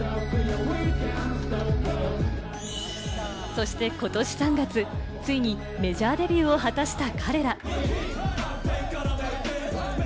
そしてことし３月、ついにメジャーデビューを果たした彼ら。